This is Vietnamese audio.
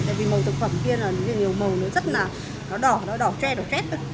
tại vì mẫu thực phẩm kia là nhiều màu nó rất là đỏ nó đỏ tre đỏ trét